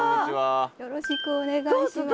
よろしくお願いします。